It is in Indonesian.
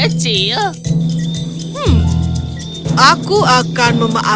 asa saja tak ada kekasih menolongnya